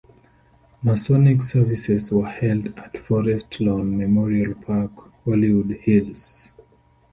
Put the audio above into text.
Masonic services were held at Forest Lawn Memorial Park, Hollywood Hills.